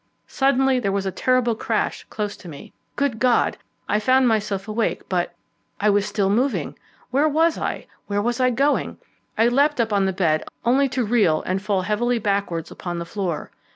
Suddenly there was a terrible crash close to me. Good God! I found myself awake, but I was still moving. Where was I? Where was I going? I leapt up on the bed, only to reel and fall heavily backwards upon the floor.